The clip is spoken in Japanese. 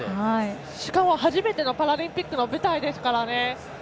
しかも初めてのパラリンピックの舞台ですからね。